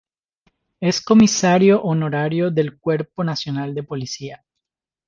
Es comisario honorario del Cuerpo Nacional de Policía.